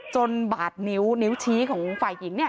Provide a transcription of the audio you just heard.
บาดนิ้วนิ้วชี้ของฝ่ายหญิงเนี่ย